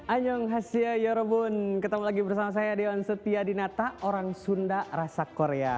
annyeonghaseyo ketemu lagi bersama saya dion setia dinata orang sunda rasa korea